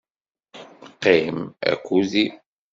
Qqim akked-i.